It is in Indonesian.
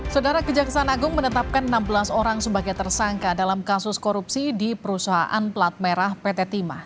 saudara kejaksaan agung menetapkan enam belas orang sebagai tersangka dalam kasus korupsi di perusahaan pelat merah pt timah